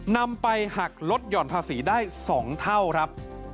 นำไปหักลดหย่อนภาษีได้๒เท่าครับ